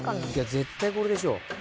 絶対これでしょ。